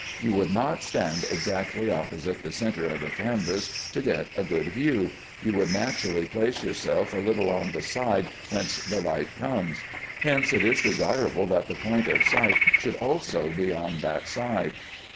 You would not stand exactly opposite the centre of the canvas to get a good view. You would naturally place yourself a little on the side whence the light comes. Hence it is desirable that the point of sight should also be on that side.